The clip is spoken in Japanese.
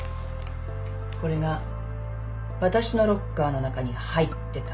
これがわたしのロッカーの中に入ってた。